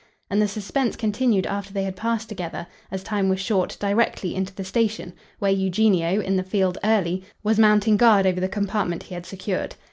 And the suspense continued after they had passed together, as time was short, directly into the station, where Eugenio, in the field early, was mounting guard over the compartment he had secured.